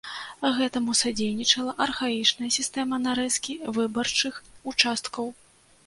Гэтаму садзейнічала архаічная сістэма нарэзкі выбарчых участкаў.